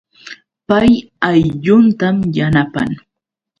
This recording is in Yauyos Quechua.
Pay aylluntam yanapan